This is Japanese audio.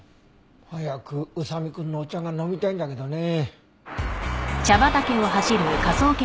早く宇佐見くんのお茶が飲みたいんだけどね。